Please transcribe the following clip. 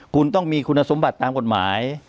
คุณต้องมีคุณสมบัติตามกฎหมาย